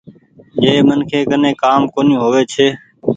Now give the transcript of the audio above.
جنهن منکي ڪني ڪآم ڪونيٚ هووي ڇي۔